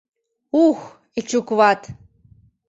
Ух, Эчукват!